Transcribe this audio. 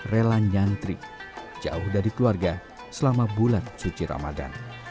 rela nyantri jauh dari keluarga selama bulan suci ramadan